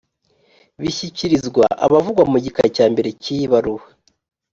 bishyikirizwa abavugwa mu gika cya mbere cy iyi baruwa